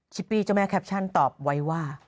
ชิปปี้จสแม่แคปชั่นตอบไวว่า